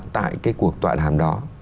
tại cái cuộc tọa đàm đó